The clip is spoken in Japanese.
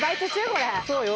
これそうよ